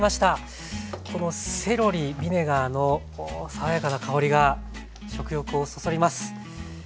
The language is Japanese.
このセロリビネガーの爽やかな香りが食欲をそそります。